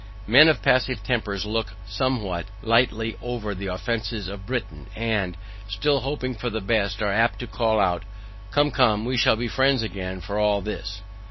Men of passive tempers look somewhat lightly over the offences of Britain, and, still hoping for the best, are apt to call out, "COME, COME, WE SHALL BE FRIENDS AGAIN, FOR ALL THIS."